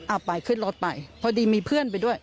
เอาไปขึ้นรถไปพอดีมีเพื่อนไปด้วย